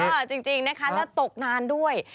อ้าาาเจ๋งนะคะแล้วตกนานด้วย